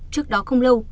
trước đó không lâu